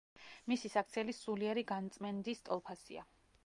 მისი საქციელი სულიერი განწმენდის ტოლფასია.